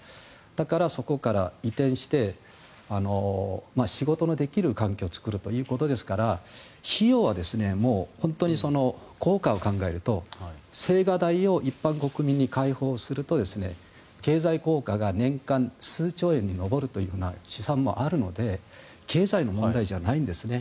だから、そこから移転して仕事のできる環境を作るということですから費用は本当に効果を考えると青瓦台を一般国民に開放すると、経済効果が年間数兆円に上るというふうな試算もあるので経済の問題じゃないんですね。